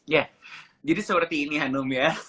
ya jadi seperti ini hanum ya